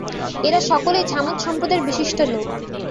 এরা সকলেই ছামূদ সম্প্রদায়ের বিশিষ্ট লোক।